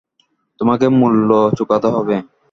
তোমাকে মূল্য চুকাতে হবে।